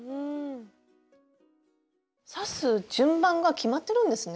刺す順番が決まってるんですね？